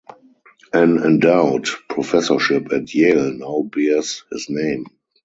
An endowed professorship at Yale now bears his name.